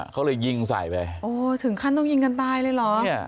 เขาเลยยิงใส่ไปโอ้ถึงขั้นต้องยิงกันตายเลยเหรอ